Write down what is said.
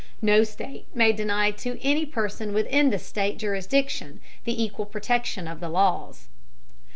No state may deny to any person within the state jurisdiction the equal protection of the laws.